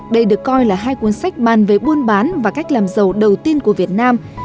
đây được coi là hai cuốn sách bàn về buôn bán và cách làm giàu đầu tiên của việt nam